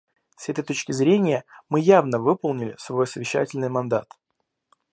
С этой точки зрения, мы явно выполнили свой совещательный мандат.